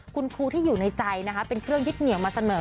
คุณครูที่อยู่ในใจนะคะเป็นเครื่องยึดเหนียวมาเสมอ